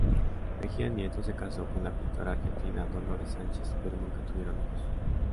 Mejía Nieto se casó con la pintora argentina Dolores Sánchez, pero nunca tuvieron hijos.